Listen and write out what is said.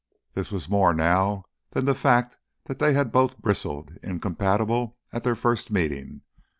This was more now than the fact that they had both bristled, incompatible, at their first meeting.